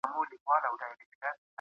ما تېره میاشت یو تاریخي کتاب ولوستی.